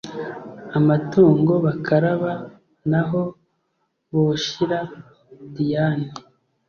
amatungo bakaraba naho boshira Diane……